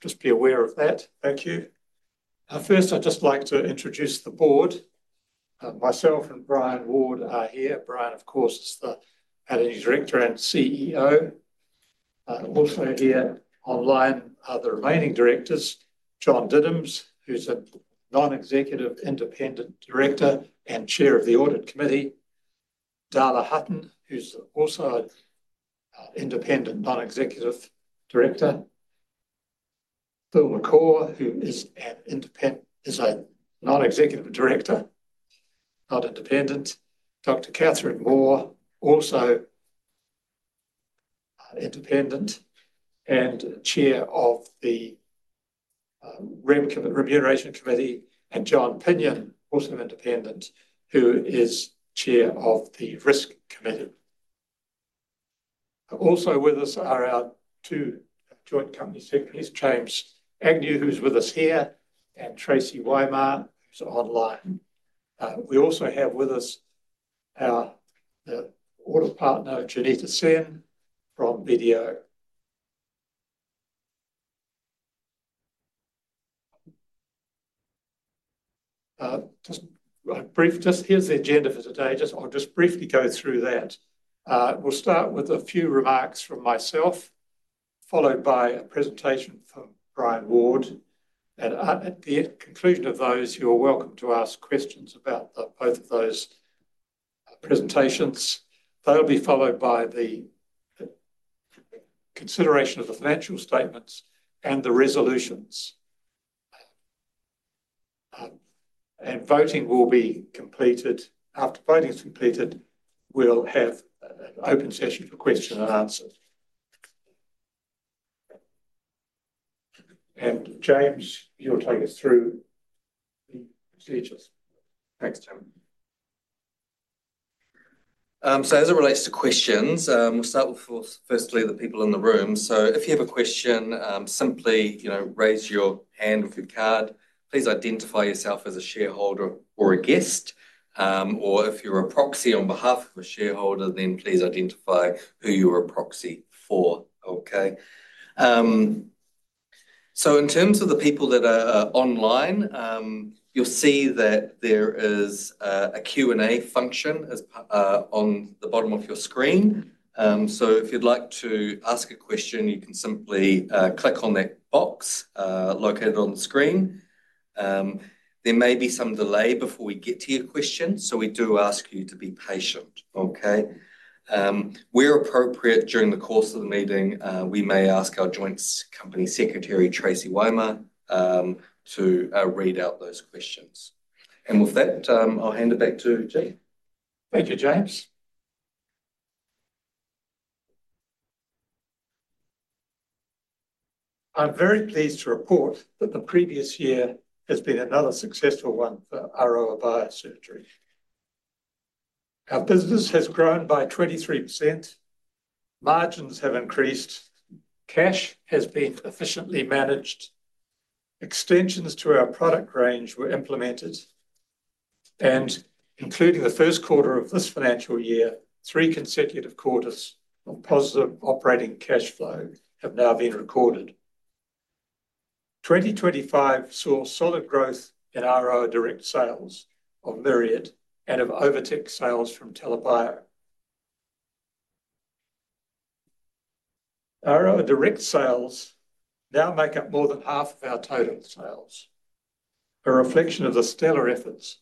Just be aware of that, thank you. First, I'd just like to introduce the board. Myself and Brian Ward are here. Brian, of course, is the Managing Director and CEO. Also here online are the remaining directors: John Diddams, who's a Non-Executive, Independent Director and Chair of the Audit Committee; Darla Hutton, who's also an Independent, Non-Executive Director; Phil McCaw, who is an independent, Non-Executive Director, not a dependent; Dr. Catherine Mohr, also Independent and Chair of the REM Committee; and John Pinion, also independent, who is Chair of the Risk Committee. Also with us are our two Joint Company Secretaries, James Agnew, who's with us here, and Tracy Weimar, who's online. We also have with us our audit partner, Junita Sen, from BDO. Here's the agenda for today. I'll just briefly go through that. We'll start with a few remarks from myself, followed by a presentation from Brian Ward. At the conclusion of those, you're welcome to ask questions about both of those presentations. They'll be followed by the consideration of the financial statements and the resolutions. Voting will be completed. After voting is completed, we'll have an open session for questions and answers. James, you'll take us through the procedures. Thanks Jim. As it relates to questions, we'll start with the people in the room. If you have a question, simply raise your hand with your card. Please identify yourself as a shareholder or a guest. If you're a proxy on behalf of a shareholder, then please identify who you are a proxy for. In terms of the people that are online, you'll see that there is a Q&A function on the bottom of your screen. If you'd like to ask a question, you can simply click on that box located on the screen. There may be some delay before we get to your question, so we do ask you to be patient. Where appropriate during the course of the meeting, we may ask our Joint Company Secretary, Tracy Weimar, to read out those questions. With that, I'll hand it back to you, Jim. Thank you, James. I'm very pleased to report that the previous year has been another successful one for Aroa Biosurgery. Our business has grown by 23%. Margins have increased. Cash has been efficiently managed. Extensions to our product range were implemented. Including the first quarter of this financial year, three consecutive quarters of positive operating cash flow have now been recorded. 2025 saw solid growth in our direct sales of Myriad and of OviTex sales from TELA Bio. Our direct sales now make up more than half of our total sales, a reflection of the stellar efforts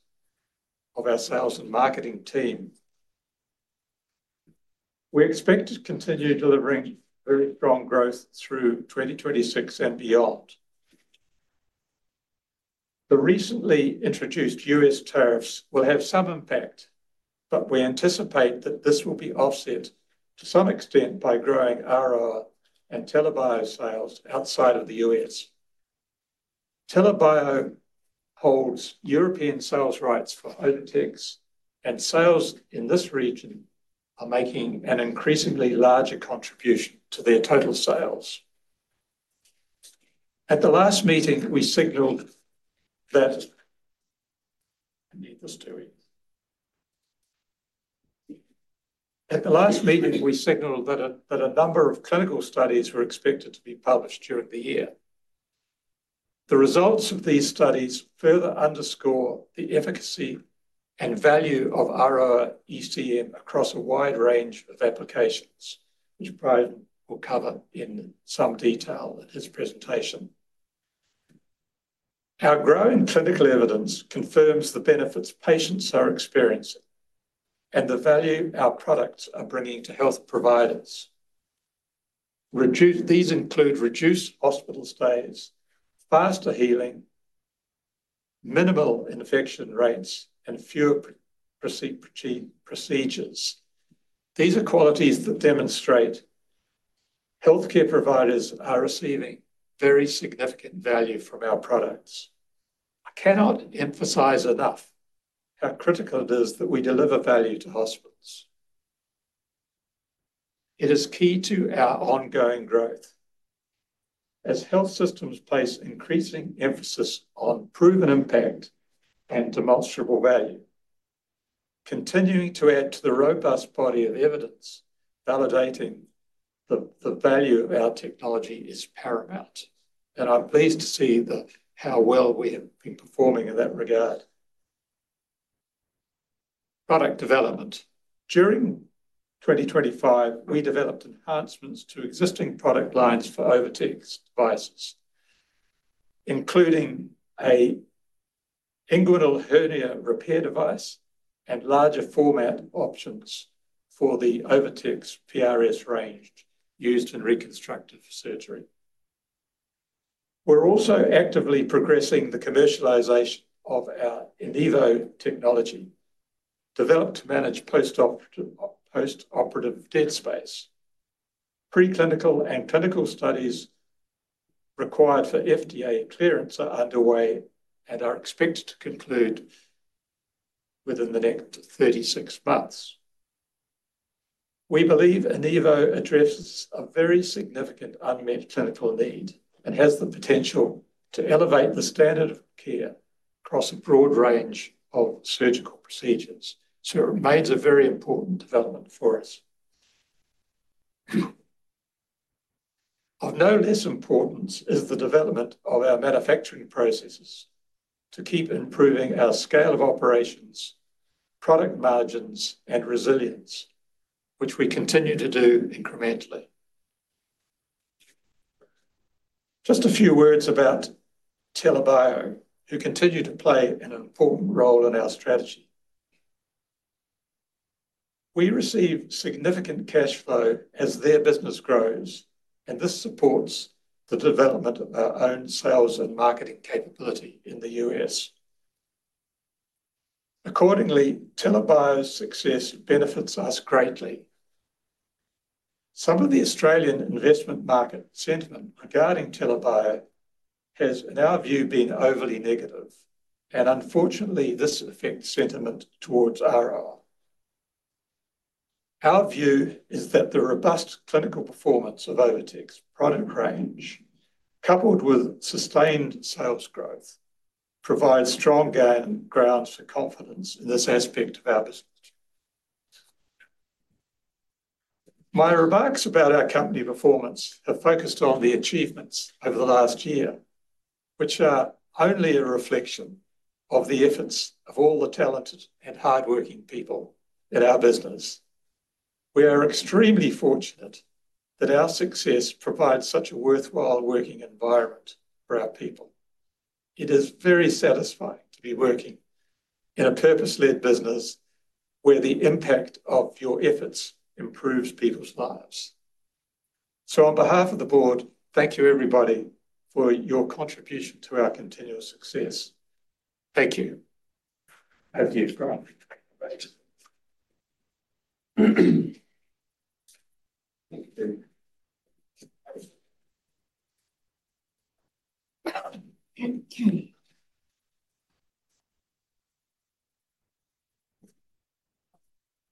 of our sales and marketing team. We expect to continue delivering very strong growth through 2026 and beyond. The recently introduced U.S., tariffs will have some impact, but we anticipate that this will be offset to some extent by growing our and TELA Bio sales outside of the U.S. TELA Bio holds European sales rights for OviTex, and sales in this region are making an increasingly larger contribution to their total sales. At the last meeting, we signaled that a number of clinical studies were expected to be published during the year. The results of these studies further underscore the efficacy and value of our ECM across a wide range of applications, which Brian will cover in some detail at his presentation. Our growing clinical evidence confirms the benefits patients are experiencing and the value our products are bringing to health providers. These include reduced hospital stays, faster healing, minimal infection rates, and fewer procedures. These are qualities that demonstrate healthcare providers are receiving very significant value from our products. Cannot emphasize enough how critical it is that we deliver value to hospitals. It is key to our ongoing growth. As health systems place increasing emphasis on proven impact and demonstrable value, continuing to add to the robust body of evidence validating the value of our technology is paramount. I'm pleased to see how well we have been performing in that regard. Product development. During 2025, we developed enhancements to existing product lines for OviTex devices, including an inguinal hernia repair device and larger format options for the OviTex PRS range used in reconstructive surgery. We're also actively progressing the commercialization of our Enivo technology, developed to manage post-operative dead space. Preclinical and clinical studies required for FDA clearance are underway and are expected to conclude within the next 36 months. We believe Enivo addresses a very significant unmet clinical need and has the potential to elevate the standard of care across a broad range of surgical procedures. It remains a very important development for us. Of no less importance is the development of our manufacturing processes to keep improving our scale of operations, product margins, and resilience, which we continue to do incrementally. Just a few words about TELA Bio, who continue to play an important role in our strategy. We receive significant cash flow as their business grows, and this supports the development of our own sales and marketing capability in the U.S. Accordingly, TELA Bio's success benefits us greatly. Some of the Australian investment market sentiment regarding TELA Bio has, in our view, been overly negative, and unfortunately, this affects sentiment towards Aroa Biosurgery. Our view is that the robust clinical performance of OviTex product range, coupled with sustained sales growth, provides strong ground for confidence in this aspect of our business. My remarks about our company performance have focused on the achievements over the last year, which are only a reflection of the efforts of all the talented and hardworking people in our business. We are extremely fortunate that our success provides such a worthwhile working environment for our people. It is very satisfying to be working in a purpose-led business where the impact of your efforts improves people's lives. On behalf of the board, thank you, everybody, for your contribution to our continuous success. Thank you.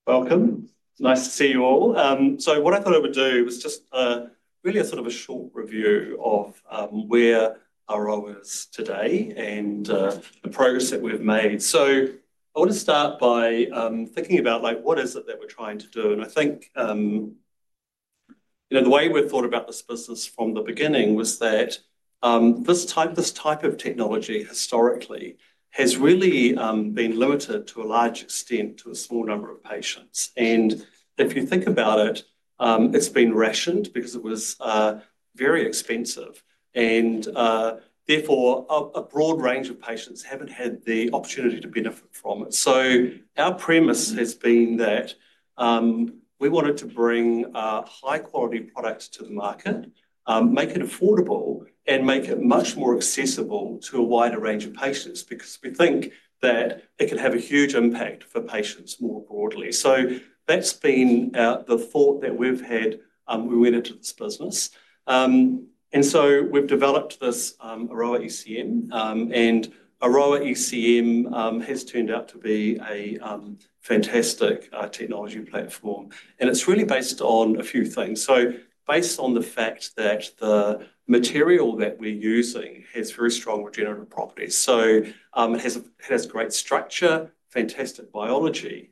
Welcome. Nice to see you all. What I thought I would do was just really a sort of a short review of where Aroa Biosurgery is today and the progress that we've made. I want to start by thinking about, like, what is it that we're trying to do? I think, you know, the way we thought about this business from the beginning was that this type of technology historically has really been limited to a large extent to a small number of patients. If you think about it, it's been rationed because it was very expensive. Therefore, a broad range of patients haven't had the opportunity to benefit from it. Our premise has been that we wanted to bring high-quality products to the market, make it affordable, and make it much more accessible to a wider range of patients because we think that it could have a huge impact for patients more broadly. That's been the thought that we've had when we went into this business. We've developed this Aroa ECM, and Aroa ECM has turned out to be a fantastic technology platform. It's really based on a few things. It's based on the fact that the material that we're using has very strong regenerative properties. It has great structure, fantastic biology.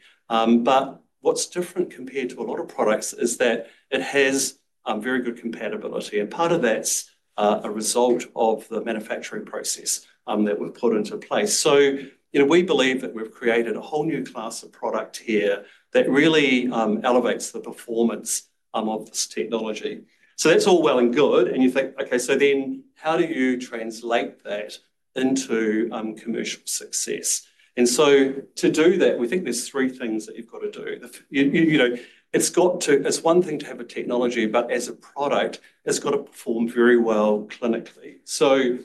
What's different compared to a lot of products is that it has very good compatibility. Part of that's a result of the manufacturing process that we've put into place. We believe that we've created a whole new class of product here that really elevates the performance of this technology. That's all well and good. You think, okay, how do you translate that into commercial success? To do that, we think there's three things that you've got to do. It's one thing to have a technology, but as a product, it's got to perform very well clinically.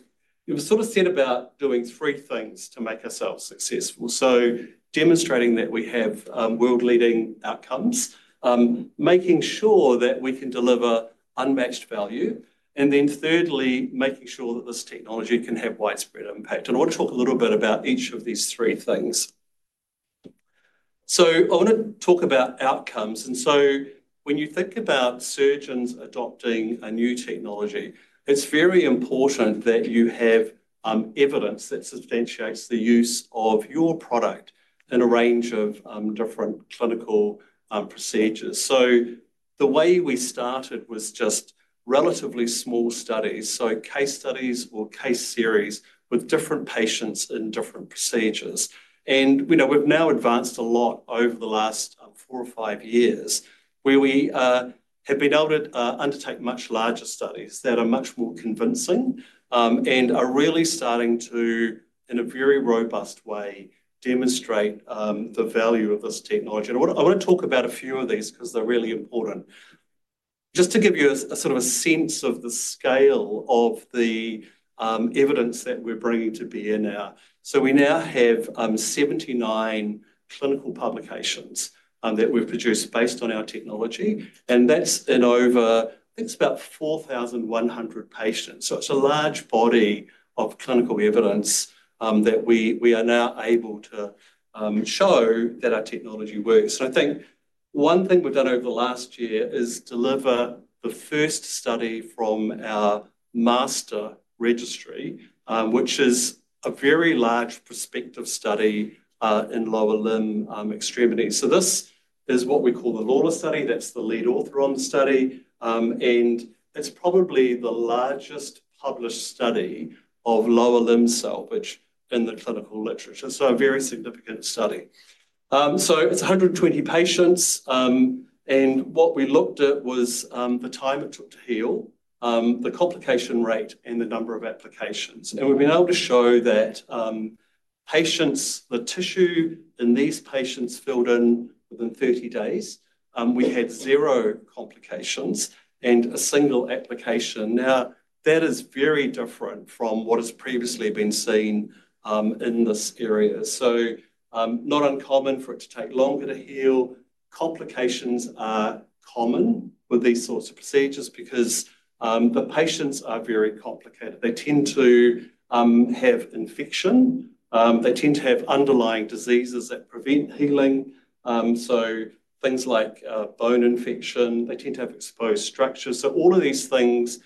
We sort of set about doing three things to make ourselves successful: demonstrating that we have world-leading outcomes, making sure that we can deliver unmatched value, and then thirdly, making sure that this technology can have widespread impact. I want to talk a little bit about each of these three things. I want to talk about outcomes. When you think about surgeons adopting a new technology, it's very important that you have evidence that substantiates the use of your product in a range of different clinical procedures. The way we started was just relatively small studies, case studies or case series with different patients in different procedures. We've now advanced a lot over the last four or five years where we have been able to undertake much larger studies that are much more convincing and are really starting to, in a very robust way, demonstrate the value of this technology. I want to talk about a few of these because they're really important. Just to give you a sense of the scale of the evidence that we're bringing to bear now, we now have 79 clinical publications that we've produced based on our technology. That's been over, I think, about 4,100 patients. It's a large body of clinical evidence that we are now able to show that our technology works. One thing we've done over the last year is deliver the first study from our master registry, which is a very large prospective study in lower limb extremities. This is what we call the Lawlor study. That's the lead author on the study, and it's probably the largest published study of lower limb salvage in the clinical literature. A very significant study. It's 120 patients. What we looked at was the time it took to heal, the complication rate, and the number of applications. We've been able to show that the tissue in these patients filled in within 30 days, we had zero complications, and a single application. That is very different from what has previously been seen in this area. It's not uncommon for it to take longer to heal. Complications are common with these sorts of procedures because the patients are very complicated. They tend to have infection. They tend to have underlying diseases that prevent healing, things like bone infection. They tend to have exposed structures. All of these things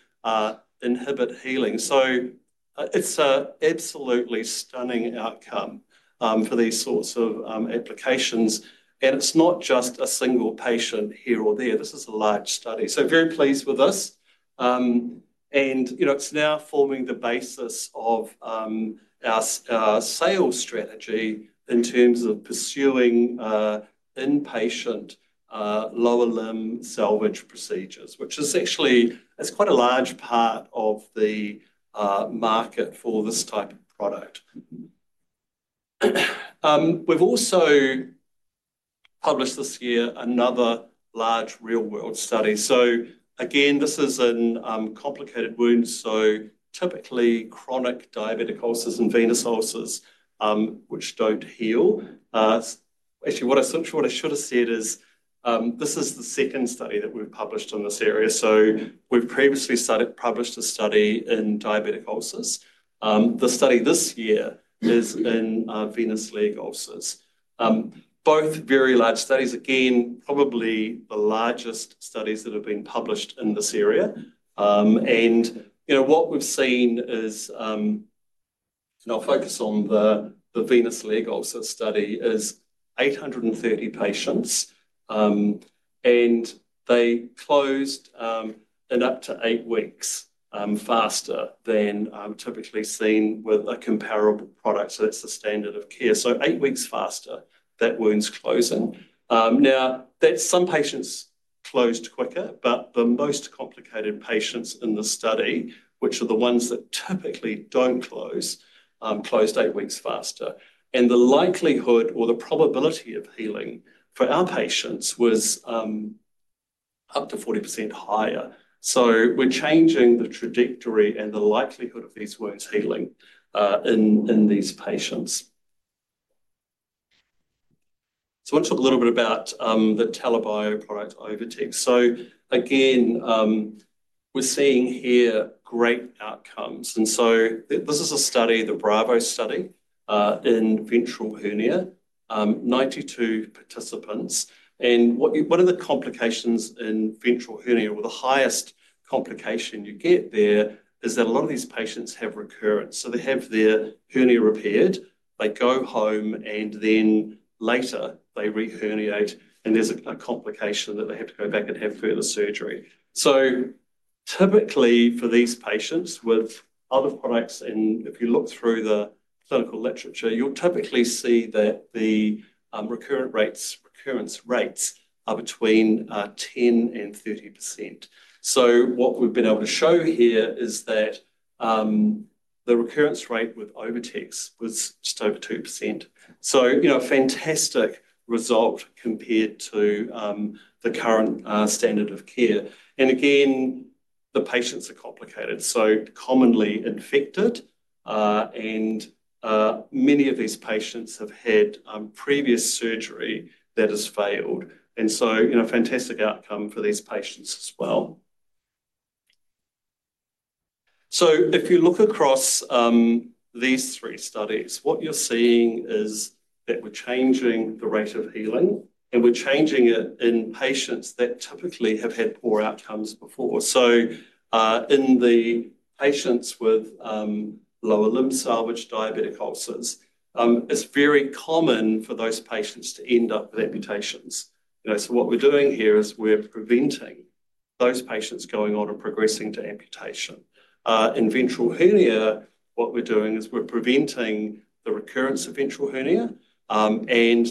inhibit healing. It's an absolutely stunning outcome for these sorts of applications. It's not just a single patient here or there. This is a large study. Very pleased with this, and it's now forming the basis of our sales strategy in terms of pursuing inpatient lower limb salvage procedures, which is actually quite a large part of the market for this type of product. We've also published this year another large real-world study. Again, this is in complicated wounds, typically chronic diabetic ulcers and venous leg ulcers which don't heal. Actually, what I should have said is this is the second study that we've published in this area. We've previously published a study in diabetic ulcers. The study this year is in venous leg ulcers. Both very large studies, probably the largest studies that have been published in this area. What we've seen is, and I'll focus on the venous leg ulcer study, is 830 patients. They closed in up to eight weeks faster than typically seen with a comparable product. That's the standard of care. Eight weeks faster, that wound's closing. Some patients closed quicker, but the most complicated patients in the study, which are the ones that typically don't close, closed eight weeks faster. The likelihood or the probability of healing for our patients was up to 40% higher. We're changing the trajectory and the likelihood of these wounds healing in these patients. I want to talk a little bit about the TELA Bio product, OviTex. We're seeing here great outcomes. This is a study, the BRAVO study, in ventral hernia, 92 participants. What are the complications in ventral hernia? The highest complication you get there is that a lot of these patients have recurrence. They have their hernia repaired, they go home, and then later they re-herniate, and there's a complication that they have to go back and have further surgery. Typically, for these patients with other products, and if you look through the clinical literature, you'll typically see that the recurrence rates are between 10% and 30%. What we've been able to show here is that the recurrence rate with OviTex was just over 2%. A fantastic result compared to the current standard of care. The patients are complicated, commonly infected, and many of these patients have had previous surgery that has failed. A fantastic outcome for these patients as well. If you look across these three studies, what you're seeing is that we're changing the rate of healing, and we're changing it in patients that typically have had poor outcomes before. In the patients with lower limb salvage diabetic ulcers, it's very common for those patients to end up with amputations. What we're doing here is we're preventing those patients going on and progressing to amputation. In ventral hernia, what we're doing is we're preventing the recurrence of ventral hernia and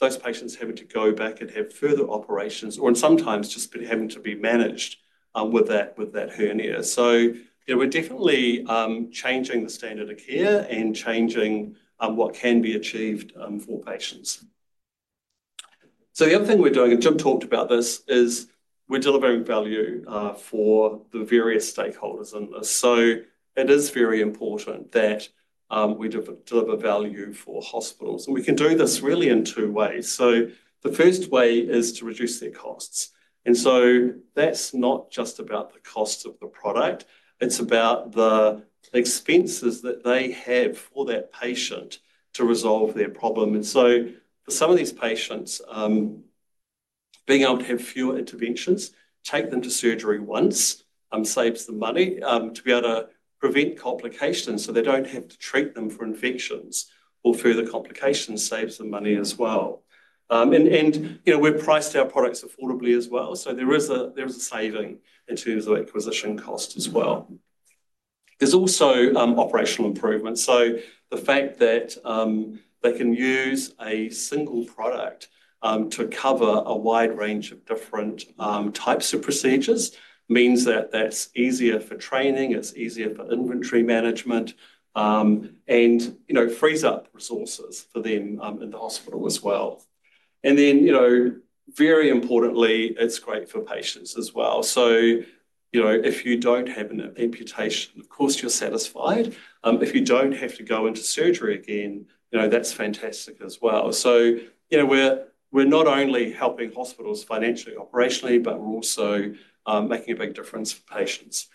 those patients having to go back and have further operations or sometimes just having to be managed with that hernia. We're definitely changing the standard of care and changing what can be achieved for patients. The other thing we're doing, and Jim talked about this, is we're delivering value for the various stakeholders in this. It is very important that we deliver value for hospitals. We can do this really in two ways. The first way is to reduce their costs. That's not just about the cost of the product. It's about the expenses that they have for that patient to resolve their problem. Some of these patients, being able to have fewer interventions, take them to surgery once, saves them money to be able to prevent complications so they don't have to treat them for infections or further complications, saves them money as well. We've priced our products affordably as well. There is a saving in terms of acquisition cost as well. There's also operational improvement. The fact that they can use a single product to cover a wide range of different types of procedures means that that's easier for training, it's easier for inventory management, and frees up resources for them in the hospital as well. Very importantly, it's great for patients as well. If you don't have an amputation, of course, you're satisfied. If you don't have to go into surgery again, that's fantastic as well. We're not only helping hospitals financially, operationally, but we're also making a big difference for patients.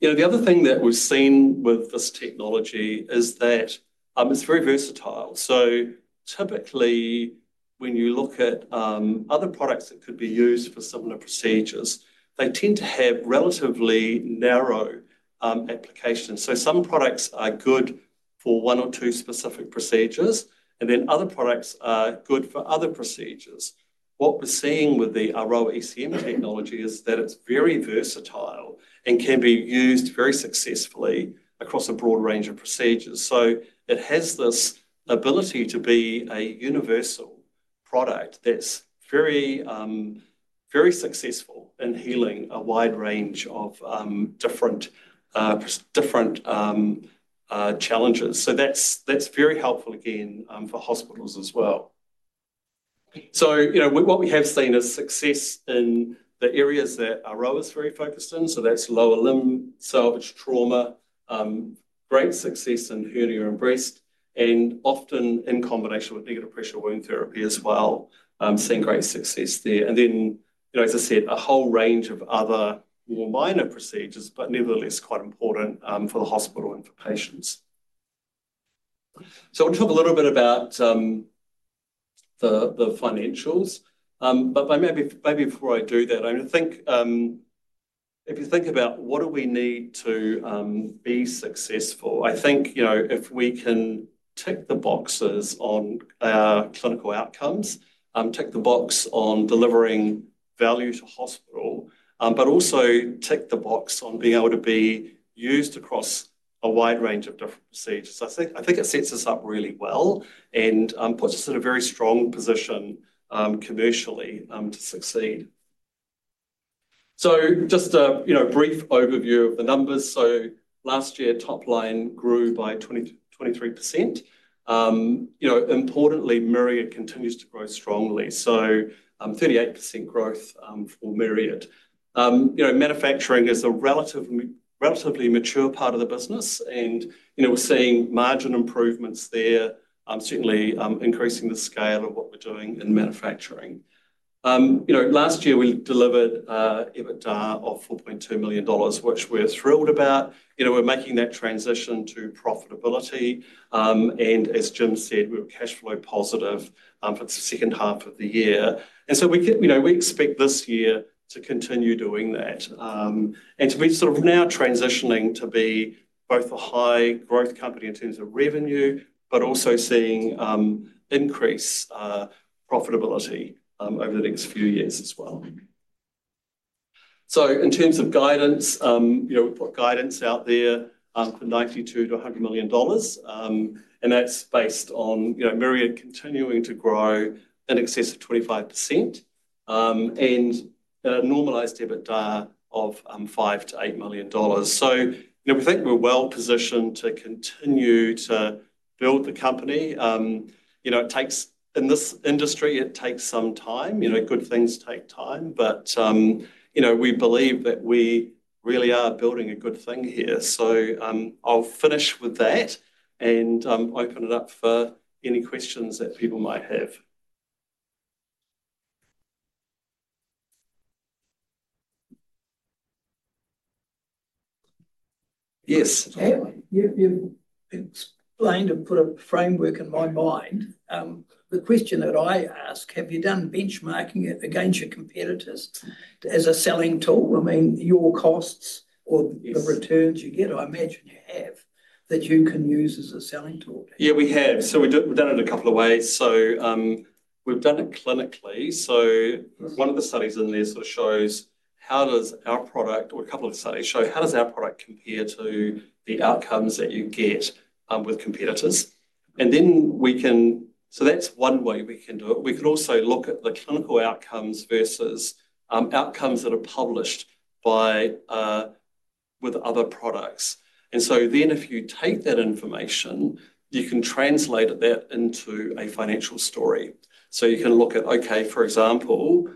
The other thing that we've seen with this technology is that it's very versatile. Typically, when you look at other products that could be used for similar procedures, they tend to have relatively narrow applications. Some products are good for one or two specific procedures, and then other products are good for other procedures. What we're seeing with the Aroa ECM technology is that it's very versatile and can be used very successfully across a broad range of procedures. It has this ability to be a universal product that's very successful in healing a wide range of different challenges. That's very helpful again for hospitals as well. What we have seen is success in the areas that Aroa is very focused in. That's lower limb salvage trauma, great success in hernia and breast, and often in combination with negative pressure wound therapy as well, seeing great success there. As I said, a whole range of other more minor procedures, but nevertheless quite important for the hospital and for patients. I want to talk a little bit about the financials. Maybe before I do that, I think if you think about what do we need to be successful, if we can tick the boxes on our clinical outcomes, tick the box on delivering value to hospital, but also tick the box on being able to be used across a wide range of different procedures, I think it sets us up really well and puts us in a very strong position commercially to succeed. Just a brief overview of the numbers. Last year, top line grew by 23%. Importantly, Myriad continues to grow strongly, so 38% growth for Myriad. Manufacturing is a relatively mature part of the business, and we're seeing margin improvements there, certainly increasing the scale of what we're doing in manufacturing. Last year, we delivered EBITDA of $4.2 million, which we're thrilled about. We're making that transition to profitability. As Jim said, we were cash flow positive for the second half of the year, and we expect this year to continue doing that. We're sort of now transitioning to be both a high-growth company in terms of revenue, but also seeing increased profitability over the next few years as well. In terms of guidance, we've got guidance out there for $92 million-$100 million, and that's based on Myriad continuing to grow in excess of 25% and a normalized EBITDA of $5 million-$8 million. We think we're well positioned to continue to build the company. In this industry, it takes some time. Good things take time, but we believe that we really are building a good thing here. I'll finish with that and open it up for any questions that people might have. Yes. It's plain to put a framework in my mind. The question that I ask, have you done benchmarking against your competitors as a selling tool? I mean, your costs or the returns you get, I imagine you have, that you can use as a selling tool. Yeah, we have. We've done it a couple of ways. We've done it clinically. One of the studies in there shows how does our product, or a couple of studies show how does our product compare to the outcomes that you get with competitors. We can also look at the clinical outcomes versus outcomes that are published with other products. If you take that information, you can translate that into a financial story. You can look at, for example,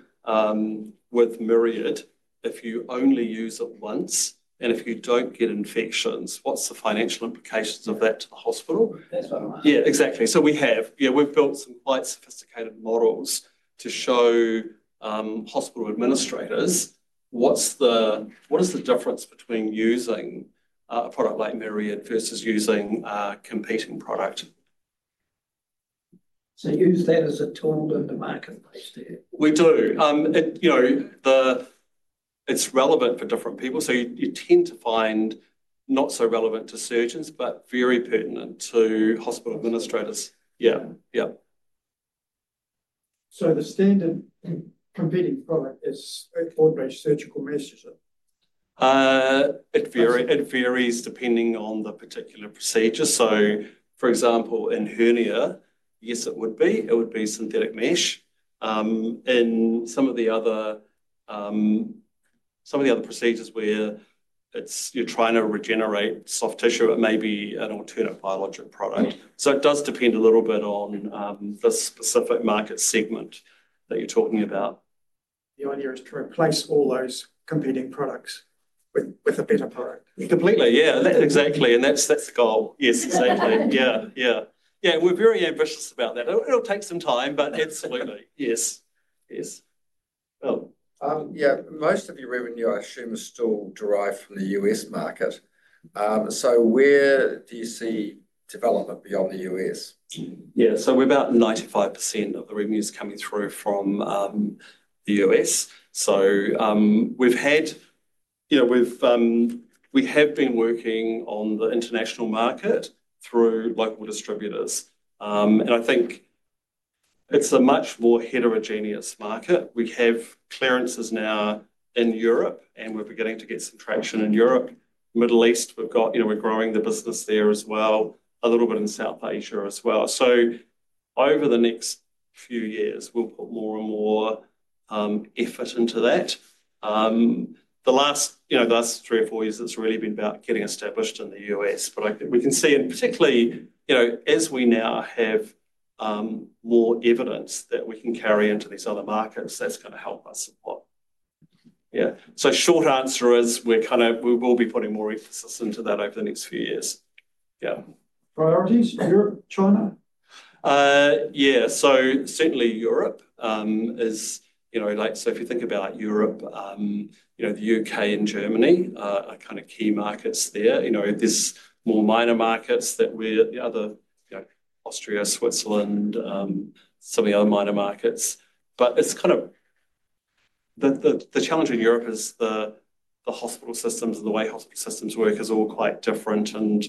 with Myriad, if you only use it once and if you don't get infections, what's the financial implication of that to the hospital? Yeah, exactly. We've built some quite sophisticated models to show hospital administrators what is the difference between using a product like Myriad versus using a competing product. You use that as a tool in the marketplace there. We do. You know, it's relevant for different people. You tend to find not so relevant to surgeons, but very pertinent to hospital administrators. Yeah, yeah. The standard competing product is at full-grade surgical meshes. It varies depending on the particular procedure. For example, in hernia, yes, it would be synthetic mesh. In some of the other procedures where you're trying to regenerate soft tissue, it may be an alternate biologic product. It does depend a little bit on the specific market segment that you're talking about. The idea is to replace all those competing products with a better product. Completely, exactly. That's the goal. Yes, exactly. We're very ambitious about that. It'll take some time, but absolutely. Yes. Yeah. Most of your revenue, I assume, is still derived from the U.S., market. Where do you see development beyond the U.S.? Yeah. About 95% of the revenue is coming through from the U.S. We have been working on the international market through local distributors. I think it's a much more heterogeneous market. We have clearances now in Europe, and we're beginning to get some traction in Europe. The Middle East, we're growing the business there as well, a little bit in South Asia as well. Over the next few years, we'll put more and more effort into that. The last three or four years, it's really been about getting established in the U.S. We can see, particularly as we now have more evidence that we can carry into these other markets, that's going to help us a lot. Short answer is we're kind of, we will be putting more emphasis into that over the next few years. Yeah. Priorities? Europe, China? Yeah. Certainly, Europe is, you know, like, if you think about Europe, the U.K., and Germany are kind of key markets there. There are more minor markets that we're, you know, Austria, Switzerland, some of the other minor markets. The challenge in Europe is the hospital systems and the way hospital systems work is all quite different and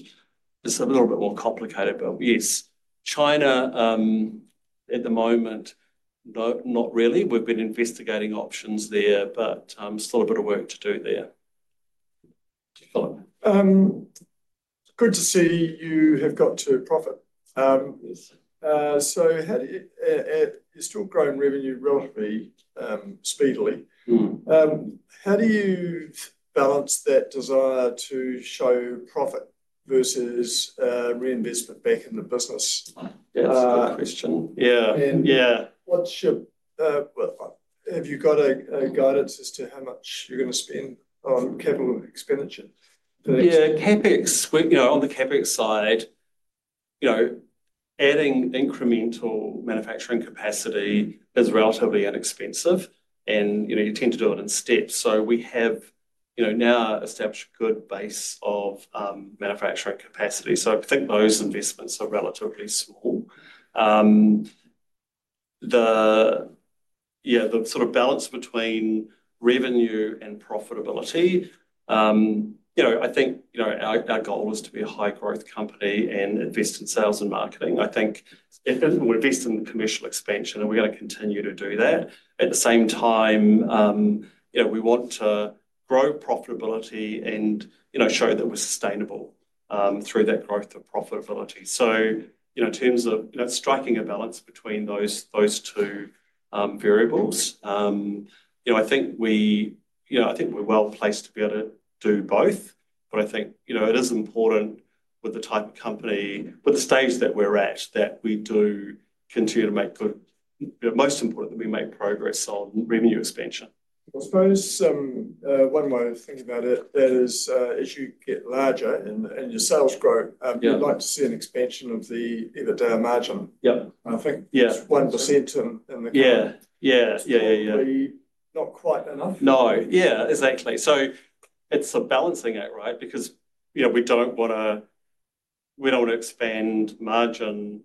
is a little bit more complicated. Yes, China, at the moment, not really. We've been investigating options there, but still a bit of work to do there. Good to see you have got to profit. You're still growing revenue relatively speedily. How do you balance that desire to show profit versus reinvestment back in the business? Yeah, that's a good question. Yeah, have you got a guidance as to how much you're going to spend on capital expenditure? Yeah, CapEx, you know, on the CapEx side, adding incremental manufacturing capacity is relatively inexpensive. You tend to do it in steps. We have now established a good base of manufacturing capacity. I think those investments are relatively small. The sort of balance between revenue and profitability, I think, our goal is to be a high-growth company and invest in sales and marketing. I think we invest in commercial expansion, and we're going to continue to do that. At the same time, we want to grow profitability and show that we're sustainable through that growth of profitability. In terms of striking a balance between those two variables, I think we're well placed to be able to do both. I think it is important with the type of company, with the stage that we're at, that we do continue to make good, most important that we make progress on revenue expansion. I'll throw in one more thing about it. That is, as you get larger and your sales grow, you'd like to see an expansion of the EBITDA margin. Yep. I think 1% in the. Yeah. Not quite enough. Yeah, exactly. It's a balancing act, right? We don't want to expand margin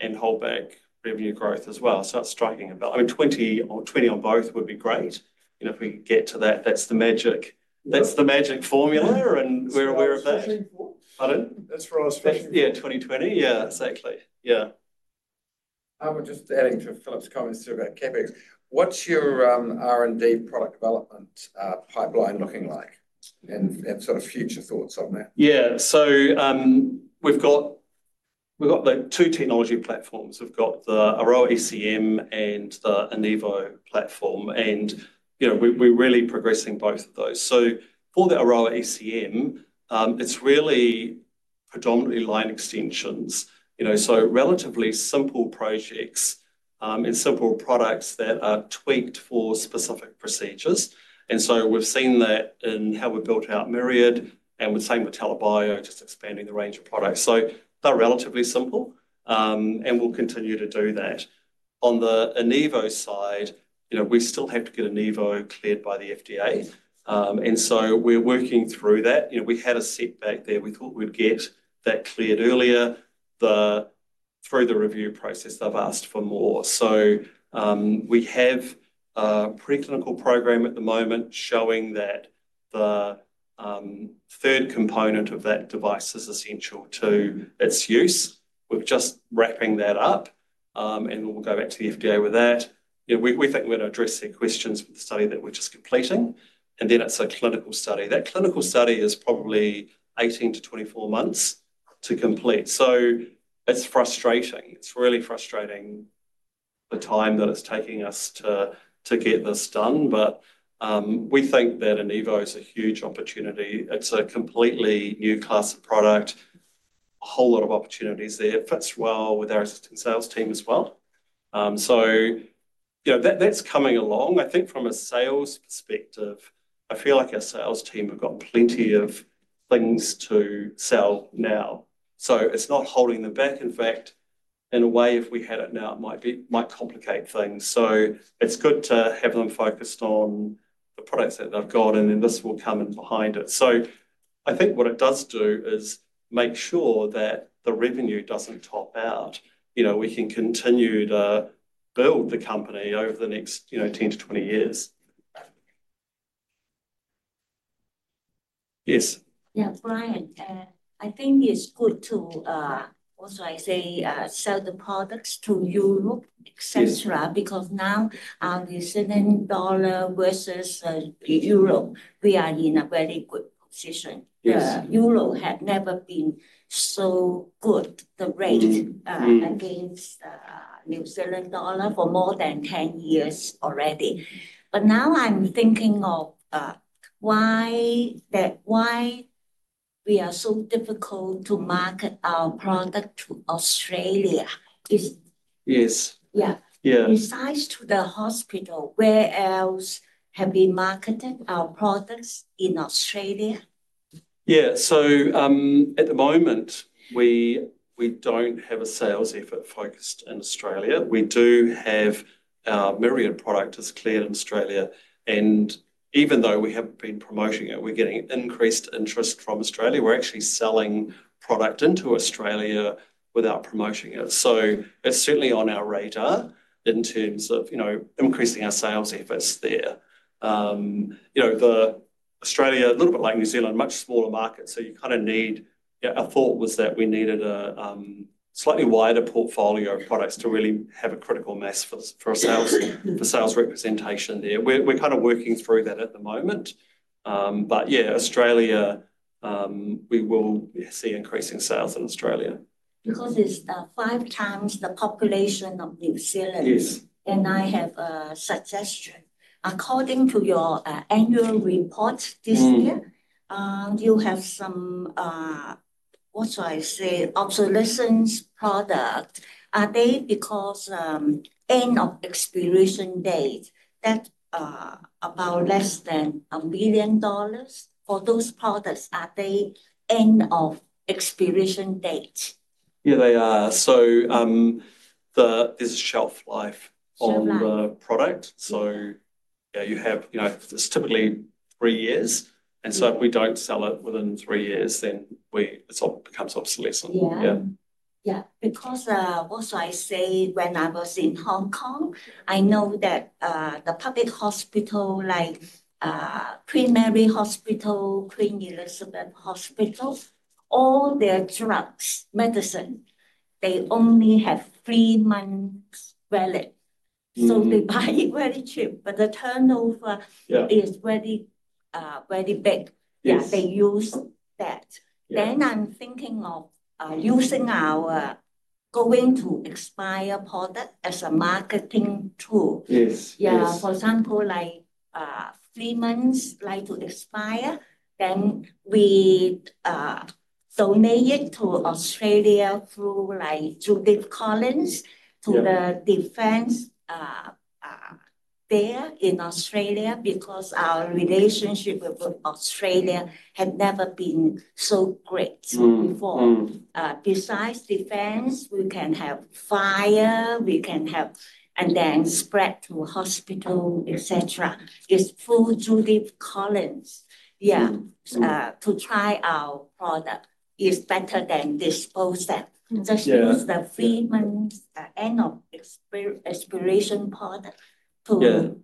and hold back revenue growth as well. It's striking a balance. I mean, 20% on 20% on both would be great. If we get to that, that's the magic, that's the magic formula, and we're aware of that. Pardon? That's for us. Yeah, 2020. Yeah, exactly. Yeah. I'm just adding to Philip's comments about CapEx. What's your R&D product development pipeline looking like, and sort of future thoughts on that? Yeah. We've got the two technology platforms. We've got the Aroa ECM and the Enivo platform, and we're really progressing both of those. For the Aroa ECM, it's really predominantly line extensions, so relatively simple projects and simple products that are tweaked for specific procedures. We've seen that in how we built out Myriad, and we're seeing with TELA Bio, just expanding the range of products. They're relatively simple, and we'll continue to do that. On the Enivo side, we still have to get Enivo cleared by the FDA, and we're working through that. We had a setback there. We thought we'd get that cleared earlier. Through the review process, they've asked for more. We have a preclinical program at the moment showing that the third component of that device is essential to its use. We're just wrapping that up, and we'll go back to the FDA with that. We think we're going to address the questions with the study that we're just completing, and then it's a clinical study. That clinical study is probably 18-24 months to complete. It's frustrating. It's really frustrating the time that it's taking us to get this done. We think that Enivo is a huge opportunity. It's a completely new class of product, a whole lot of opportunities there. It fits well with our assistant sales team as well. That's coming along. I think from a sales perspective, I feel like our sales team have got plenty of things to sell now. It's not holding them back. In fact, in a way, if we had it now, it might complicate things. It's good to have them focused on the products that they've got, and then this will come in behind it. I think what it does do is make sure that the revenue doesn't top out. We can continue to build the company over the next 10-20 years. Yes. Yeah, Brian, I think it's good to also, I say, sell the products to Europe, etc., because now the New Zealand dollar versus the euro, we are in a very good position. The euro has never been so good, the rate, against the New Zealand dollar for more than 10 years already. Now I'm thinking of why we are so difficult to market our product to Australia. Yes. Yeah. Besides to the hospital, where else can we market our products in Australia? At the moment, we don't have a sales effort focused in Australia. We do have our Myriad product that's cleared in Australia, and even though we have been promoting it, we're getting increased interest from Australia. We're actually selling product into Australia without promoting it. It's certainly on our radar in terms of increasing our sales efforts there. Australia, a little bit like New Zealand, is a much smaller market, so you kind of need a slightly wider portfolio of products to really have a critical mass for sales representation there. We're working through that at the moment. Australia, we will see increasing sales in Australia. Because it's 5x he population of New Zealand. I have a suggestion. According to your annual report this year, you have some, what do I say, obsolescence products. Are they because end of expiration date? That's about less than $1 million for those products. Are they end of expiration date? Yeah, they are. There's a shelf life on the product. You have, you know, it's typically three years. If we don't sell it within three years, then it becomes obsolescent. Yeah. When I was in Hong Kong, I know that the public hospital, like Primary Hospital, Queen Elizabeth Hospital, all their drugs, medicine, they only have three months valid. They buy it very cheap, but the turnover is very, very bad. They use that. I'm thinking of using our going to expire product as a marketing tool. Yes. For example, like three months to expire, then we donate it to Australia through the columns to the defense there in Australia because our relationship with Australia had never been so great before. Besides defense, we can have fire, we can have, and then spread to hospital, etc. It's full duty columns. To try our product is better than disposal. Exactly. The three months end of expiration product to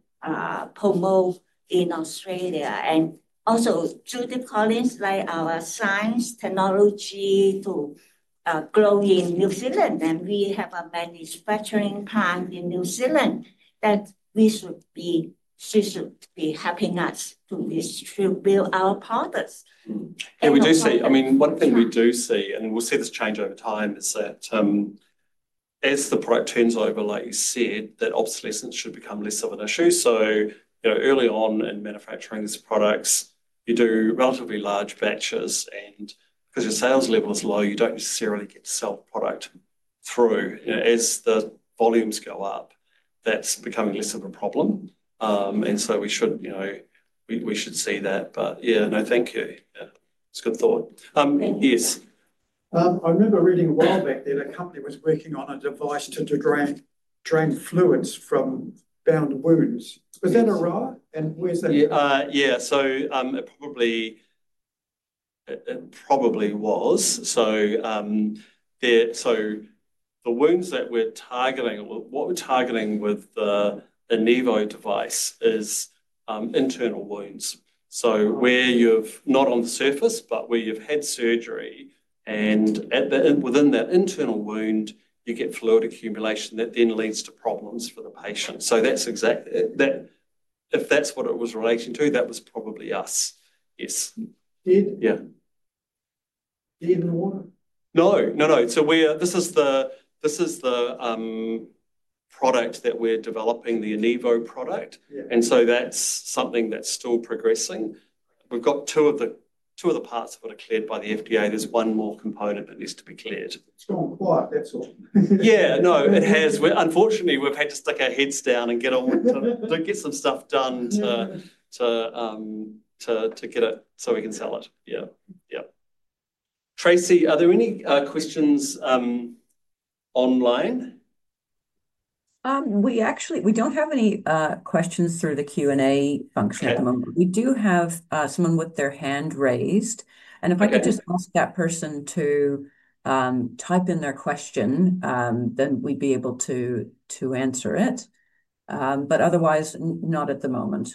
promote in Australia. Duty columns like our science technology to grow in New Zealand. We have a manufacturing plant in New Zealand that should be helping us to distribute our products. We do see, I mean, one thing we do see, and we'll see this change over time, is that as the product turns over, like you said, that obsolescence should become less of an issue. Early on in manufacturing these products, you do relatively large batches, and because your sales level is low, you don't necessarily get to sell product through. As the volumes go up, that's becoming less of a problem, and we should see that. Yeah, no, thank you. It's a good thought. Yes. I remember reading a while back that a company was working on a device to drain fluids from bound wounds. Was that Aroa? Yeah, it probably was. The wounds that we're targeting, what we're targeting with the Enivo device, is internal wounds. You're not on the surface, but where you've had surgery, and within that internal wound, you get fluid accumulation that then leads to problems for the patient. That's exactly that. If that's what it was relating to, that was probably us. Yes. Did? Yeah. Didn't work? We are, this is the product that we're developing, the Enivo product. That's something that's still progressing. We've got two of the parts of it cleared by the FDA. There's one more component that needs to be cleared. It's all quiet, that's all. Yeah, no, it has. Unfortunately, we've had to stick our heads down and get all to get some stuff done to get it so we can sell it. Yeah, yeah. Tracy, are there any questions online? We don't have any questions through the Q&A function at the moment. We do have someone with their hand raised. If I could just ask that person to type in their question, then we'd be able to answer it. Otherwise, not at the moment.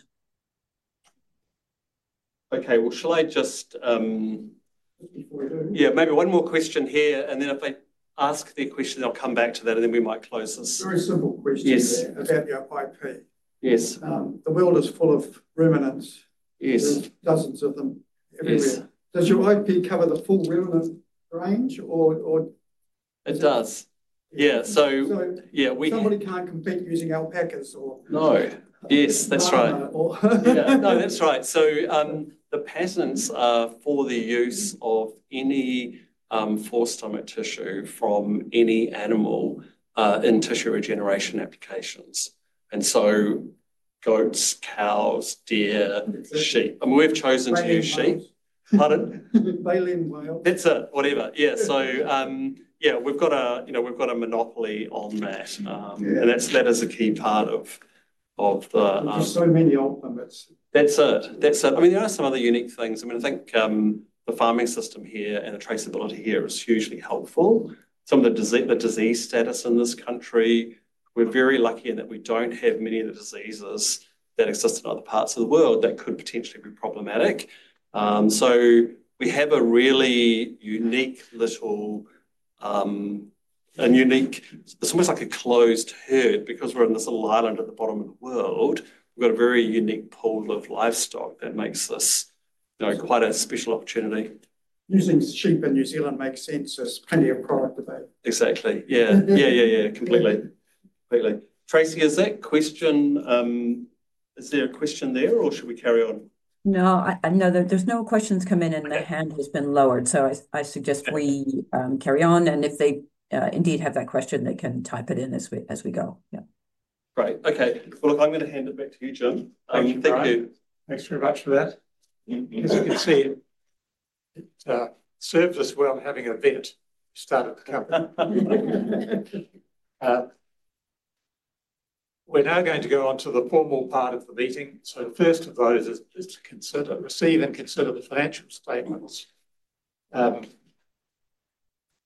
Okay. Shall I just, maybe one more question here? If they ask their question, they'll come back to that, and then we might close this. Very simple question. Yes. Is that the IP? Yes. The world is full of remnants. Yes. Dozens of them. It is. Does your IP cover the full remnant range, or? It does, yeah. Somebody can't compete using alpacas. Yes, that's right. That's right. The patents are for the use of any forestomach tissue from any animal in tissue regeneration applications. Goats, cows, deer, sheep. We've chosen to use sheep. Pardon? Yeah, we've got a monopoly on that, and that is a key part of. There are so many ultimates. That's it. I mean, there are some other unique things. I think the farming system here and the traceability here is hugely helpful. Some of the disease status in this country, we're very lucky in that we don't have many of the diseases that exist in other parts of the world that could potentially be problematic. We have a really unique little, it's almost like a closed herd because we're on this little island at the bottom of the world. We've got a very unique pool of livestock that makes this quite a special opportunity. Using sheep in New Zealand makes sense. There's plenty of crop to make. Exactly, yeah. Completely. Tracy, is that question, is there a question there or should we carry on? No, there's no questions come in and the hand has been lowered. I suggest we carry on. If they indeed have that question, they can type it in as we go. Yeah. Great. Okay. I'm going to hand it back to you, Jim. Thanks very much for that. Thank you. As you can see, it served us well having a vet start at the corner. We're now going to go on to the formal part of the meeting. The first of those is to receive and consider the financial statements,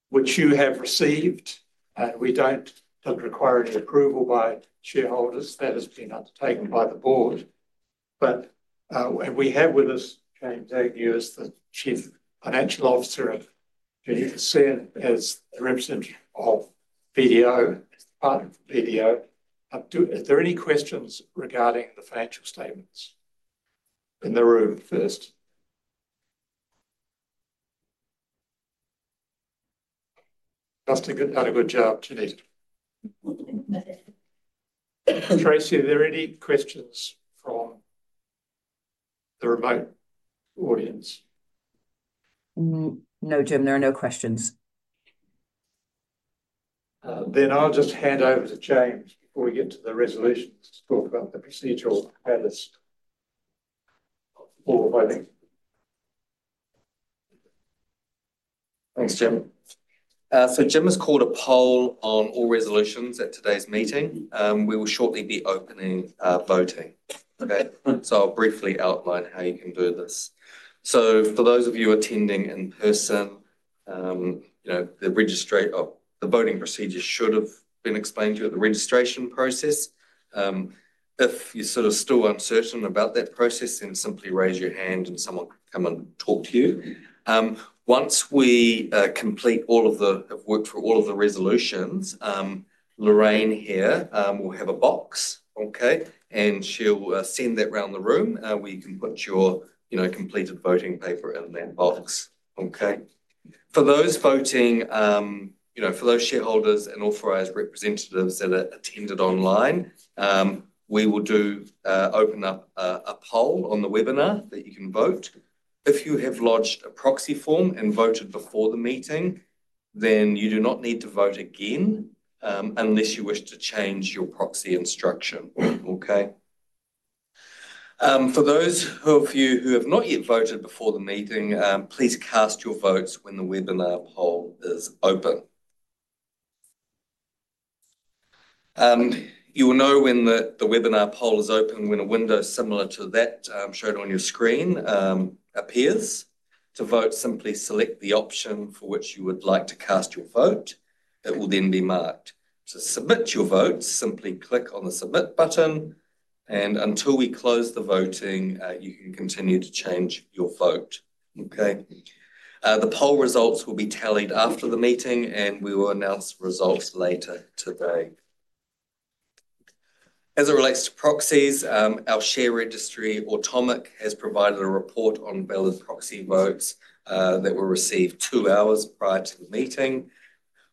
which you have received. We don't require any approval by shareholders. That has been undertaken by the board. We have with us Dave Ewes, the Chief Financial Officer, as the representative of BDO, part of BDO. Are there any questions regarding the financial statements in the room first? Justin's done a good job, Janita. Tracy, are there any questions from the remote audience? No, Jim, there are no questions. I will just hand over to James before we get to the resolutions to talk about the procedural status. Thanks, Jim. Jim has called a poll on all resolutions at today's meeting. We will shortly be opening voting. I'll briefly outline how you can do this. For those of you attending in person, the voting procedure should have been explained to you at the registration process. If you're still uncertain about that process, simply raise your hand and someone can come and talk to you. Once we have worked through all of the resolutions, Lorraine here will have a box, and she'll send that around the room. You can put your completed voting paper in that box. For those shareholders and authorized representatives that attended online, we will open up a poll on the webinar that you can vote in. If you have lodged a proxy form and voted before the meeting, then you do not need to vote again unless you wish to change your proxy instruction. For those of you who have not yet voted before the meeting, please cast your votes when the webinar poll is open. You will know when the webinar poll is open when a window similar to that shown on your screen appears. To vote, simply select the option for which you would like to cast your vote. It will then be marked. To submit your vote, simply click on the submit button. Until we close the voting, you can continue to change your vote. The poll results will be tallied after the meeting, and we will announce the results later today. As it relates to proxies, our share registry, Automic, has provided a report on valid proxy votes that were received two hours prior to the meeting.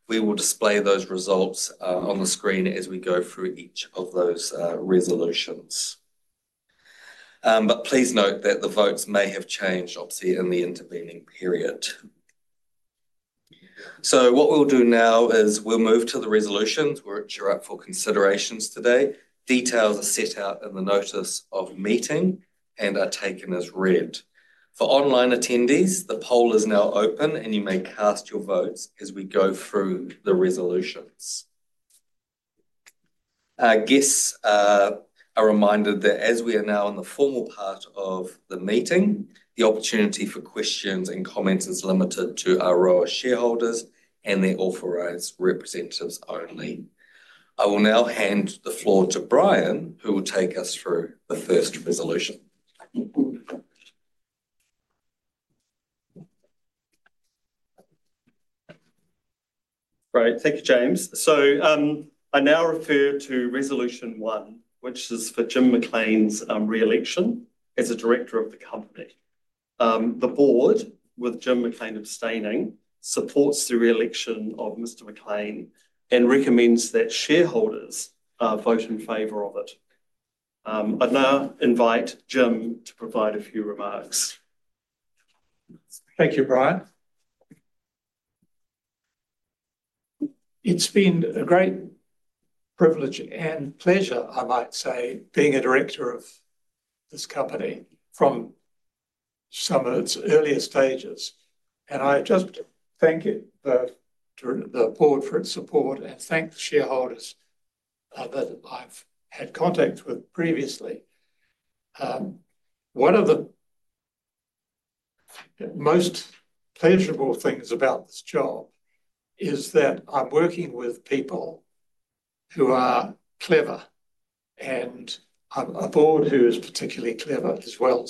We will display those results on the screen as we go through each of those resolutions. Please note that the votes may have changed, obviously, in the intervening period. What we'll do now is move to the resolutions that are up for consideration today. Details are set out in the notice of meeting and are taken as read. For online attendees, the poll is now open, and you may cast your votes as we go through the resolutions. Our guests are reminded that as we are now in the formal part of the meeting, the opportunity for questions and comments is limited to Aroa shareholders and their authorized representatives only. I will now hand the floor to Brian, who will take us through the first resolution. Right. Thank you, James. I now refer to resolution one, which is for Jim McLean's reelection as a Director of the company. The Board, with Jim McLean abstaining, supports the reelection of Mr. McLean and recommends that shareholders vote in favor of it. I'd now invite Jim to provide a few remarks. Thank you, Brian. It's been a great privilege and pleasure, I might say, being a director of this company from some of its earliest stages. I just thank you for the board for its support and thank the shareholders that I've had contact with previously. One of the most pleasurable things about this job is that I'm working with people who are clever, and I'm a board who is particularly clever as well.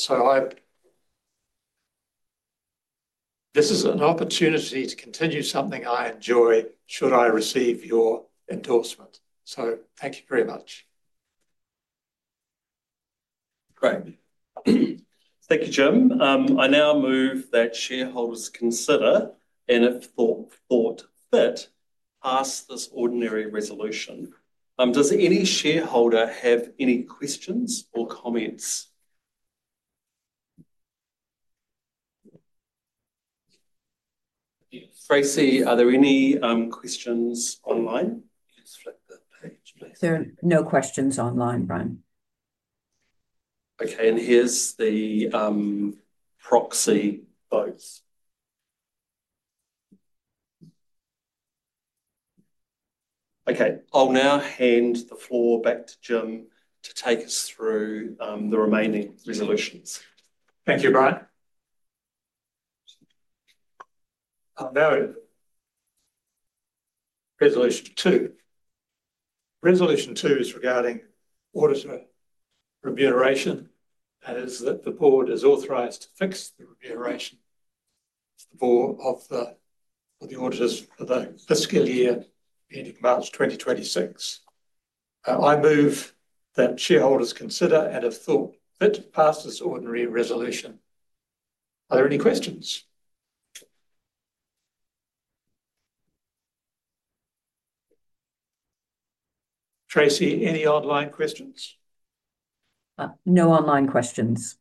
This is an opportunity to continue something I enjoy, should I receive your endorsement. Thank you very much. Great. Thank you, Jim. I now move that shareholders consider, and if thought fit, pass this ordinary resolution. Does any shareholder have any questions or comments? Tracy, are there any questions online? Just flip the page, please. There are no questions online, Brian. Okay. Here's the proxy votes. I'll now hand the floor back to Jim to take us through the remaining resolutions. Thank you, Brian. I'm now at resolution two. Resolution two is regarding auditor remuneration, and it is that the board is authorized to fix the remuneration for the auditors for the fiscal year ending March 2026. I move that shareholders consider and, if thought fit, pass this ordinary resolution. Are there any questions? Tracy, any online questions? No online questions.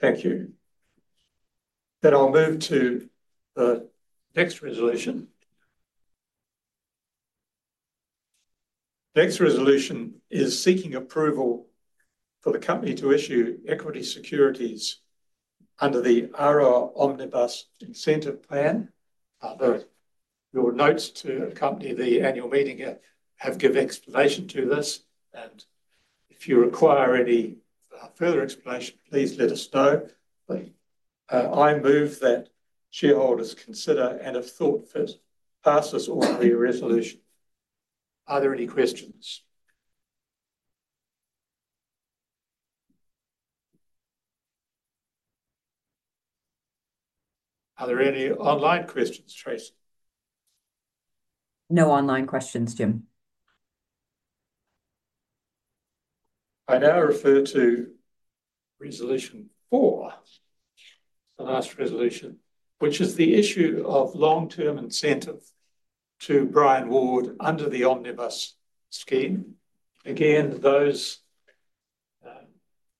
Thank you. I'll move to the next resolution. The next resolution is seeking approval for the company to issue equity securities under the Aroa Omnibus Incentive Plan. I'll note your notes to accompany the annual meeting have given explanation to this. If you require any further explanation, please let us know. I move that shareholders consider and, if thought fit, pass this ordinary resolution. Are there any questions? Are there any online questions, Tracy? No online questions, Jim. I now refer to resolution four, the last resolution, which is the issue of long-term incentives to Brian Ward under the Omnibus Scheme. Again, those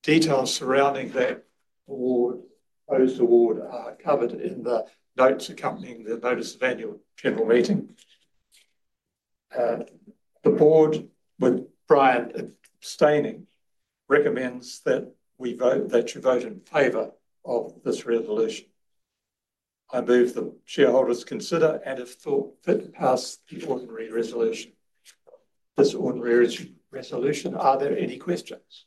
details surrounding that award, those awards are covered in the notes accompanying the notice of annual general meeting. The board, with Brian abstaining, recommends that we vote, that you vote in favor of this resolution. I move that shareholders consider and have thought fit to pass the ordinary resolution. This ordinary resolution, are there any questions?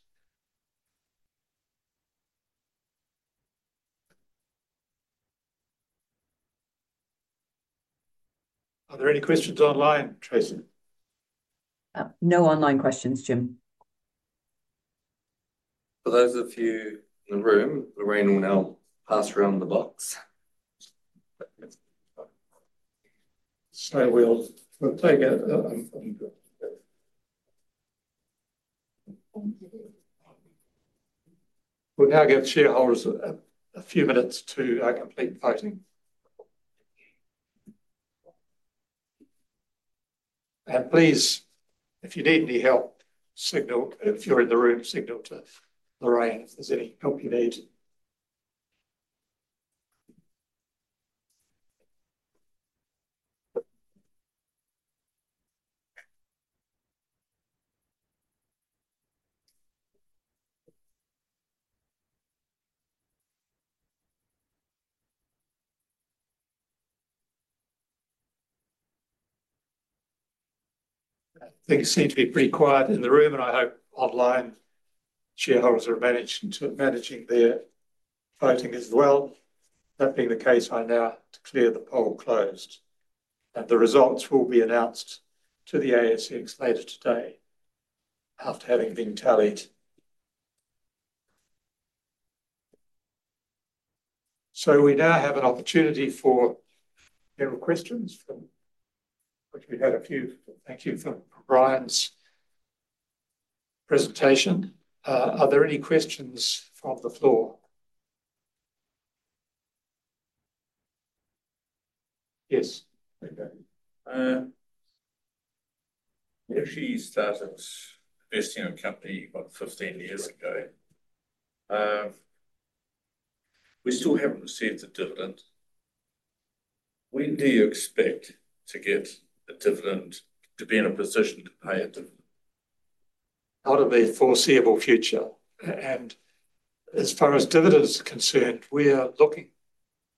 Are there any questions online, Tracy? No online questions, Jim. For those of you in the room, Lorraine will now pass around the box. We'll now give shareholders a few minutes to complete voting. Please, if you need any help, signal if you're in the room, signal to Lorraine if there's any help you need. Things seem to be pretty quiet in the room, and I hope online shareholders are managing their voting as well. That being the case, I now declare the poll closed, and the results will be announced to the ASX later today after having been tallied. We now have an opportunity for general questions, from which we've had a few. Thank you for Brian's presentation. Are there any questions from the floor? Yes. If you started listing a company you bought 15 years ago, we still haven't received a dividend. When do you expect to get a dividend to be in a position to pay a dividend? Out of a foreseeable future. As far as dividends are concerned, we are looking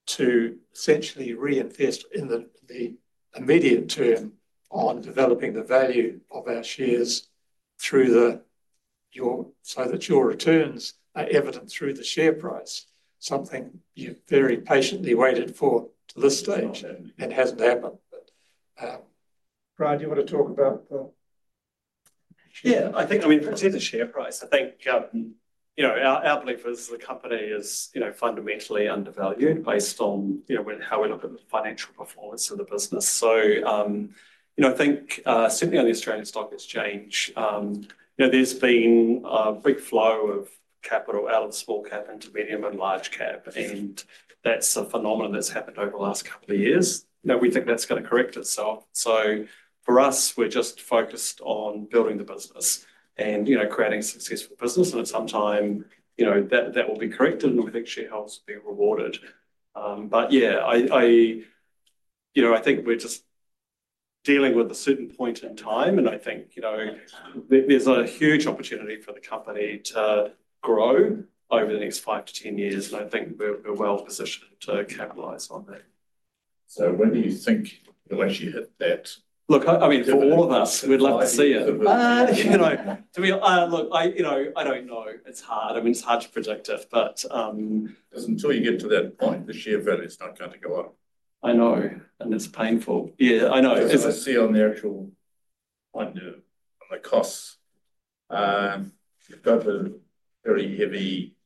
to essentially reinvest in the immediate term on developing the value of our shares so that your returns are evident through the share price, something you've very patiently waited for at this stage and hasn't happened. Brian, do you want to talk about that? I think if it's in the share price, our belief is the company is fundamentally undervalued based on how we look at the financial performance of the business. I think certainly on the Australian Stock Exchange, there's been a big flow of capital out of the small cap into medium and large cap. That's a phenomenon that's happened over the last couple of years. We think that's going to correct itself. For us, we're just focused on building the business and creating a successful business. At some time, that will be corrected, and we think shareholders will be rewarded. I think we're just dealing with a certain point in time. I think there's a huge opportunity for the company to grow over the next 5 to 10 years, and I think we're well positioned to capitalize on that. When do you think you're going to hit that? Look, for all of us, we'd love to see it. Do we? I don't know. It's hard to predict it. Because until you get to that point, the share value is not going to go up. I know, and it's painful. Yeah, I know. I see on the actual costs, you've got a very heavy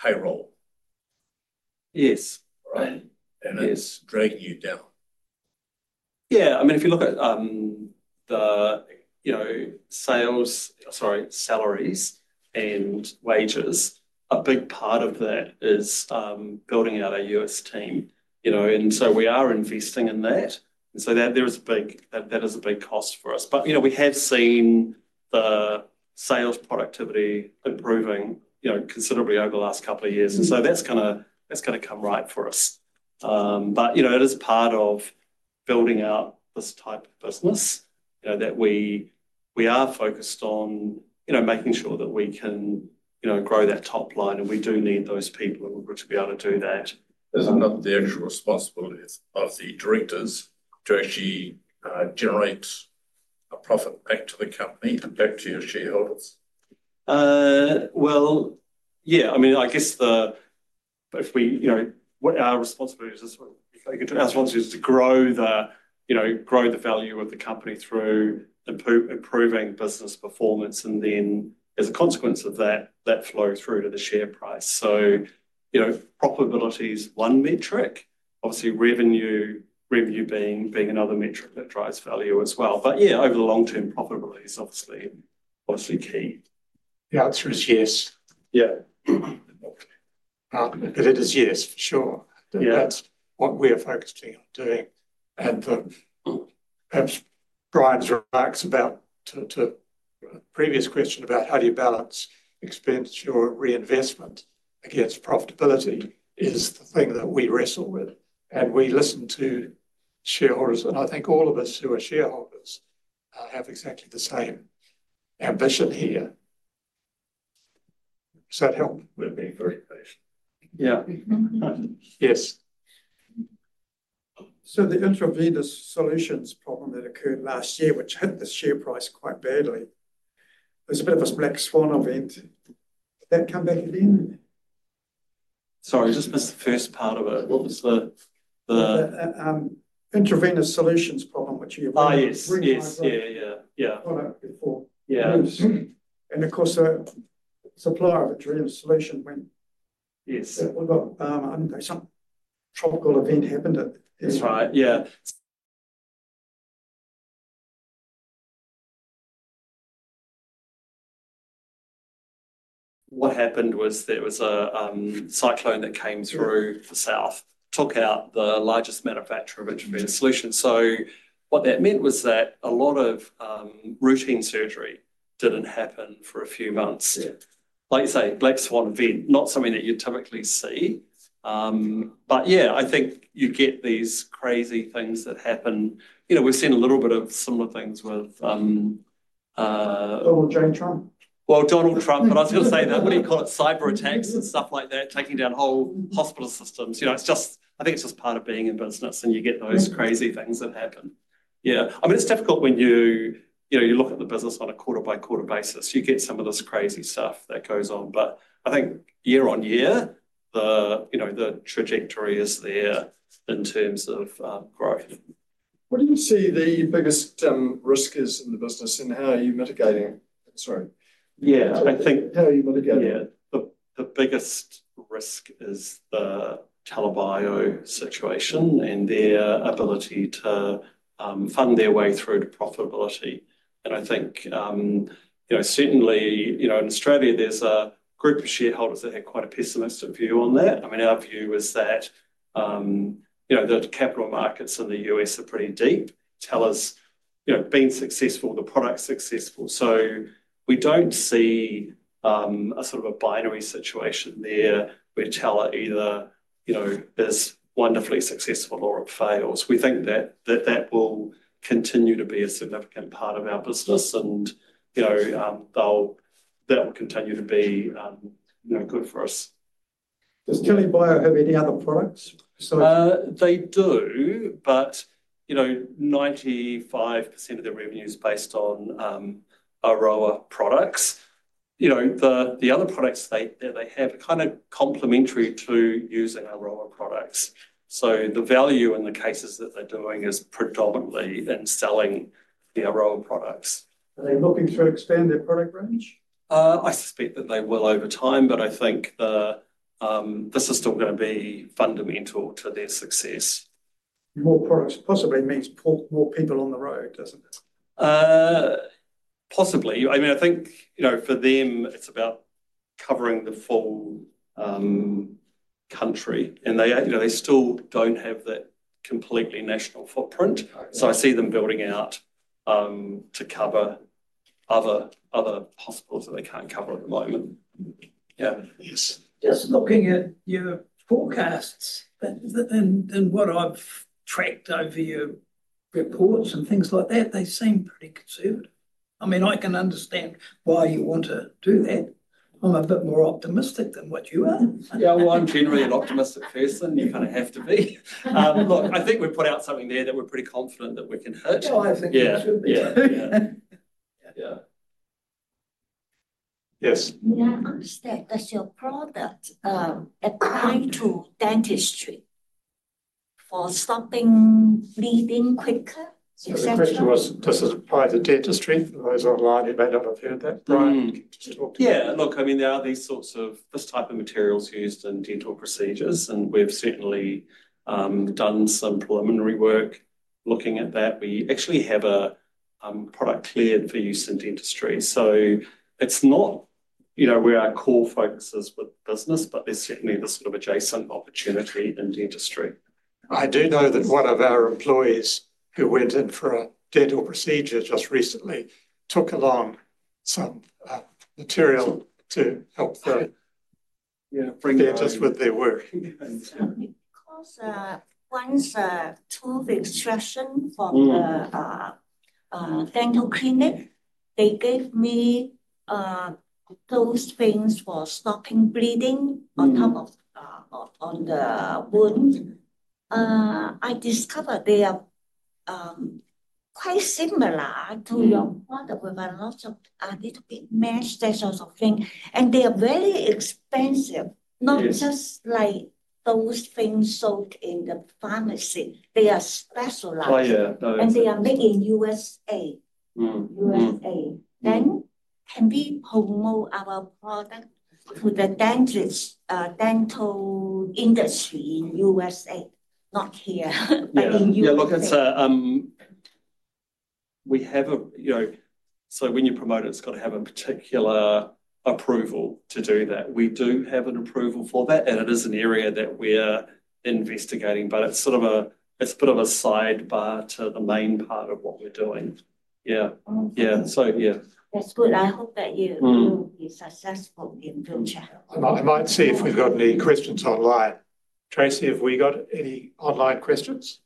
payroll. Yes. That is dragging you down. Yeah. If you look at the sales, sorry, salaries and wages, a big part of that is building out our U.S., team. We are investing in that, and that is a big cost for us. We have seen the sales productivity improving considerably over the last couple of years, and that is going to come right for us. It is part of building out this type of business. We are focused on making sure that we can grow that top line, and we do need those people in order to be able to do that. Isn't that the responsibility of the directors to actually generate a profit back to the company and back to your shareholders? I mean, I guess if we, you know, our responsibility is to grow the, you know, grow the value of the company through improving business performance. Then as a consequence of that, that flows through to the share price. Profitability is one metric. Obviously, revenue being another metric that drives value as well. Over the long term, profitability is obviously key. The answer is yes. Yeah. It is yes, for sure. That's what we are focusing on doing. Brian's remarks about the previous question about how do you balance expenditure reinvestment against profitability is the thing that we wrestle with. We listen to shareholders, and I think all of us who are shareholders have exactly the same ambition here. It helped with the effort, basically. Yes. The intravenous solutions problem that occurred last year, which hit the share price quite badly, it was a bit of a smack-swana event. Did that come back again? Sorry, I just missed the first part of it. What was the? The intravenous solutions problem, which we might. Yes, yes. Yeah, yeah. Yeah, the supplier of intravenous solutions went. Yes. I don't think some tropical event happened. That's right. What happened was there was a cyclone that came through the south, took out the largest manufacturer of intravenous solutions. What that meant was that a lot of routine surgery didn't happen for a few months. Like you say, black swan event, not something that you'd typically see. I think you get these crazy things that happen. We've seen a little bit of similar things with. Donald Trump? I was going to say that, what do you call it, cyber attacks and stuff like that, taking down whole hospital systems. You know, I think it's just part of being in business and you get those crazy things that happen. Yeah. I mean, it's difficult when you look at the business on a quarter-by-quarter basis. You get some of this crazy stuff that goes on. I think year on year, the trajectory is there in terms of growth. What do you see the biggest risk is in the business and how are you mitigating it? Yeah. I think, how are you mitigating it? The biggest risk is the TELA Bio situation and their ability to fund their way through to profitability. I think, certainly, in Australia, there's a group of shareholders that had quite a pessimistic view on that. Our view was that the capital markets in the U.S., are pretty deep. TELA Bio is being successful, the product's successful. We don't see a sort of binary situation there, where TELA either is wonderfully successful or it fails. We think that will continue to be a significant part of our business and that will continue to be good for us. Does TELA Bio have any other products? They do, but 95% of their revenue is based on Aroa products. The other products that they have are kind of complementary to using Aroa products. The value in the cases that they're doing is predominantly in selling the Aroa products. Are they looking to expand their product range? I suspect that they will over time, but I think the system is going to be fundamental to their success. More products possibly means more people on the road, doesn't it? I mean, I think for them, it's about covering the full country. They still don't have that completely national footprint. I see them building out to cover other hospitals that they can't cover at the moment. Yes. Just looking at your forecasts and what I've tracked over your reports and things like that, they seem pretty conservative. I mean, I can understand why you want to do that. I'm a bit more optimistic than what you are. I'm generally an optimistic person. You kind of have to be. Look, I think we put out something there that we're pretty confident that we can hit. Yeah, I think so. Yeah. Yeah. Yes. May I understand, does your product apply to dentistry for stopping bleeding quicker? Sorry, Tracy, does it apply to dentistry? For those online who may not have heard that, Brian. Yeah.Yeah. Look, I mean, there are these sorts of this type of materials used in dental procedures, and we've certainly done some preliminary work looking at that. We actually have a product here for use in dentistry. It's not, you know, where our core focus is with business, but there's certainly this sort of adjacent opportunity in dentistry. I do know that one of our employees who went in for a dental procedure just recently took along some material to help bring dentists with their work. Of course, one is a tool for instruction for the dental clinic. They gave me those things for stopping bleeding on top of the wound. I discovered they are quite similar to your product with a lot of a little bit mesh, that sort of thing. They are very expensive, not just like those things sold in the pharmacy. They are specialized. Oh, yeah. They are made in the U.S. Can we promote our product to the dental industry in the U.S., not here, but in the U.S.? Yeah, look, we have a, you know, when you promote it, it's got to have a particular approval to do that. We do have an approval for that, and it is an area that we're investigating, but it's a bit of a sidebar to the main part of what we're doing. Yeah. That's good. I hope that you will be successful in the future. I might see if we've got any questions online. Tracy, have we got any online questions?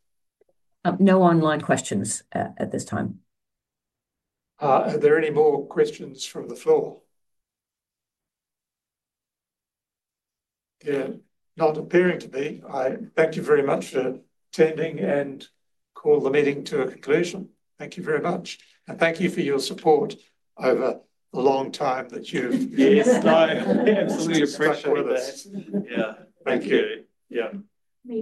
No online questions at this time. Are there any more questions from the floor? Not appearing to be. Thank you very much for attending and calling the meeting to a conclusion. Thank you very much, and thank you for your support over the long time that you've. Yes, absolutely. Thank you. Yeah.